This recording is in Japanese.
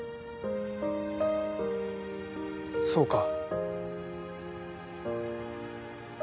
そうか。